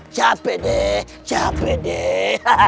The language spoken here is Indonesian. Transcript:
capek deh capek deh